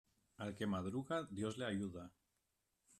Al que madruga Dios le ayuda.